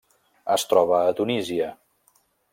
Es troba a Tunísia.